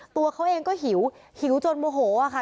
ตัวเขาเองก็หิวหิวจนโมโหค่ะ